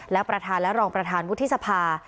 และประธานและรองประธานวุฒิสภา